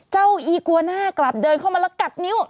อีกวาน่ากลับเดินเข้ามาแล้วกัดนิ้ว